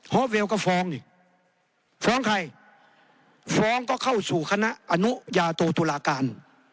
อฟเวลก็ฟ้องอีกฟ้องใครฟ้องก็เข้าสู่คณะอนุญาโตตุลาการ